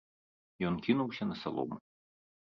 Ён кінуўся на салому.